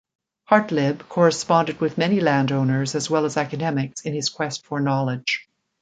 Hartlib corresponded with many landowners, as well as academics, in his quest for knowledge.